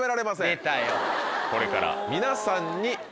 これから皆さんに。